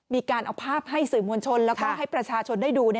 มีการเอาภาพให้สื่อมวลชนแล้วก็ให้ประชาชนได้ดู